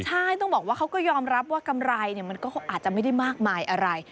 ใช่ต้องบอกว่าเขาก็ยอมรับว่ากำไรมันก็อาจจะไม่ได้มากมายอะไร